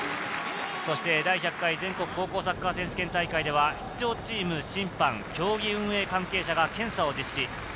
第１００回全国高校サッカー選手権大会では、出場チーム、審判、競技運営関係者が検査を実施。